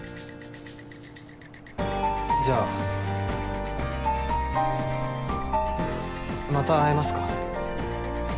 じゃあまた会えますか？